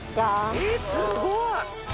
えっすごい！